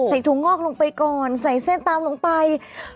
ถั่วงอกลงไปก่อนใส่เส้นตามลงไป